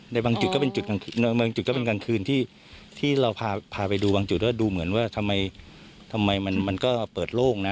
แต่บางจุดก็เป็นกลางคืนที่เราพาไปดูบางจุดดูเหมือนว่าทำไมมันก็เปิดโล่งนะ